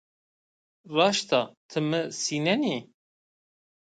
Raşt a, ti mi sînenî?